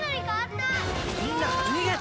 みんな逃げて！